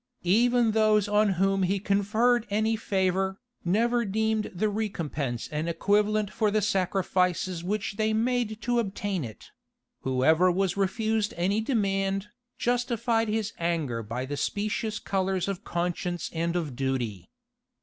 Even those on whom he conferred any favor, never deemed the recompense an equivalent for the sacrifices which they made to obtain it: whoever was refused any demand, justified his anger by the specious colors of conscience and of duty.